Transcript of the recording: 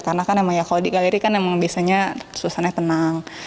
karena kan emang ya kalau di galeri kan emang biasanya suasananya tenang